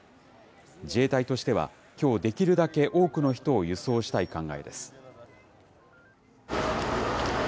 自衛隊としては、きょう、できるだけ多くの人を輸送したい考えです。